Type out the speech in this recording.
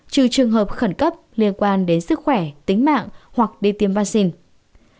trừ trường hợp khẩn cấp liên quan đến sức khỏe tính mạng hoặc đi tiêm vaccine